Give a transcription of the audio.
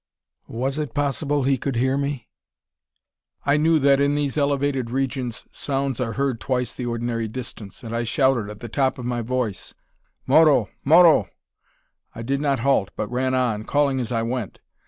Was it possible he could hear me? I knew that in these elevated regions sounds are heard twice the ordinary distance; and I shouted, at the top of my voice, "Moro! Moro!" I did not halt, but ran on, calling as I went.